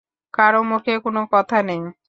কারো মুখে কোন কথা নেই।